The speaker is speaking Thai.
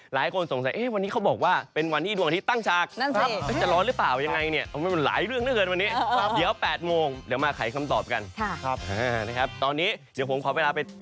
หลายคนสงสัยไงวันนี้เขาบอกว่า